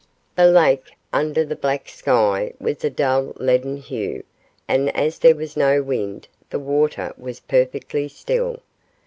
The lake under the black sky was a dull leaden hue, and as there was no wind the water was perfectly still.